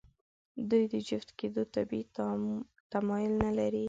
دوی د جفت کېدو طبیعي تمایل نهلري.